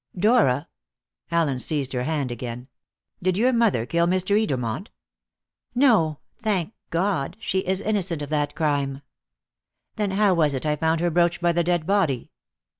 "Dora!" Allen seized her hand again. "Did your mother kill Mr. Edermont?" "No. Thank God, she is innocent of that crime!" "Then how was it I found her brooch by the dead body?"